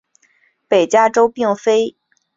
北加州并非一个正式依地理命名的地名。